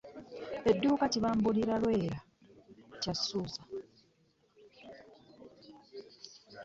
Edduka kibambulira, Lwera ky’asuza?